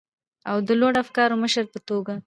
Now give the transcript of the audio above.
او د لوړو افکارو مشر په توګه،